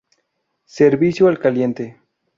Servicio al cliente.